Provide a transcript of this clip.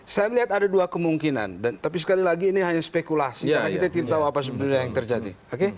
saya melihat ada dua kemungkinan tapi sekali lagi ini hanya spekulasi karena kita tidak tahu apa sebenarnya yang terjadi